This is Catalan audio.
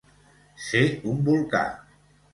Ser un volcà.